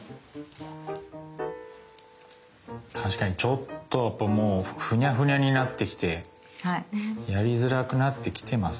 確かにちょっとやっぱもうフニャフニャになってきてやりづらくなってきてます